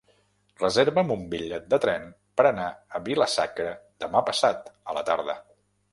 Reserva'm un bitllet de tren per anar a Vila-sacra demà passat a la tarda.